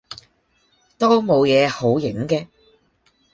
都冇野好影既